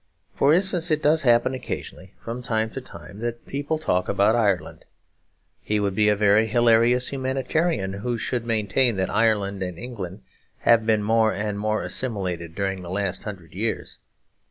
For instance, it does happen occasionally, from time to time, that people talk about Ireland. He would be a very hilarious humanitarian who should maintain that Ireland and England have been more and more assimilated during the last hundred years.